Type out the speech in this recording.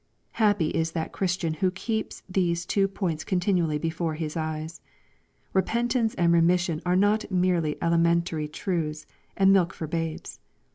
Happy is that Christian who keeps these two points continually before his eyes ! Repentance and remission are not mere elementary truths, and milk for babes.